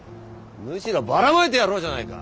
むしろばらまいてやろうじゃないか！